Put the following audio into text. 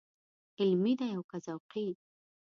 علمي دی او که ذوقي.